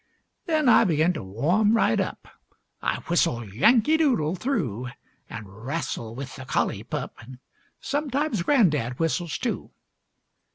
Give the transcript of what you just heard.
Then I begin to warm right up, I whistle "Yankee Doodle" through, An' wrastle with the collie pup And sometimes gran'dad whistles too.